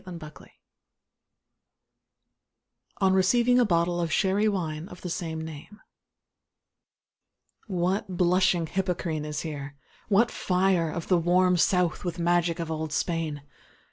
DON QUIXOTE On receiving a bottle of Sherry Wine of the same name What "blushing Hippocrene" is here! what fire Of the "warm South" with magic of old Spain!